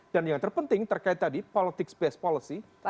dan yang terpenting terkait tadi politics based policy